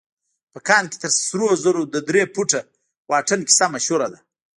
په کان کې تر سرو زرو د درې فوټه واټن کيسه مشهوره ده.